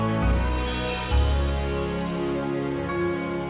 sudah di pengirian